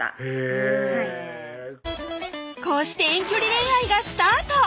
へぇこうして遠距離恋愛がスタート